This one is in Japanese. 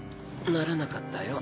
ならなかったよ。